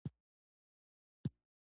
د اصلاحاتو لپاره نه ستړی کېدونکی کار وکړ.